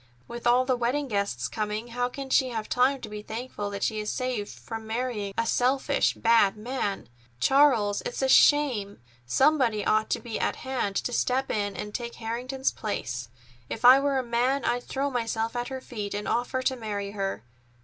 With all the wedding guests coming, how can she have time to be thankful that she is saved from marrying a selfish, bad man? Charles, it is a shame! Somebody ought to be at hand to step in and take Harrington's place. If I were a man, I'd throw myself at her feet and offer to marry her.